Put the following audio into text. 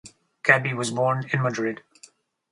Gabi was born in Madrid.